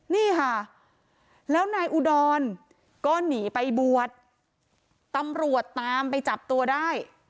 นี่ค่ะแล้วนายอุดรก็หนีไปบวชตำรวจตามไปจับตัวได้